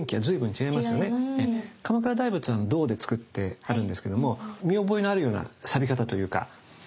鎌倉大仏は銅でつくってあるんですけども見覚えのあるようなさび方というか。